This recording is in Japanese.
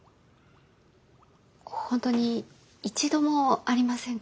本当に一度もありませんか？